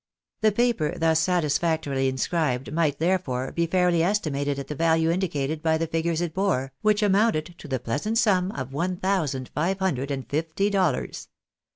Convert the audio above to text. The paper thus satisfactorily inscribed might, therefore, be fairly estimated at the value indicated by the figures it bore, which amounted to the pleasant sum of one thousand five hundred and fifty dollars.